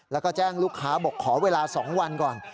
แล้วก็แจ้งลูกค้าบอกขอเวลา๒วันก่อน